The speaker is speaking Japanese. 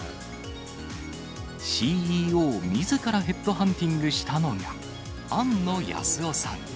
ＣＥＯみずからヘッドハンティングしたのが阿武保郎さん。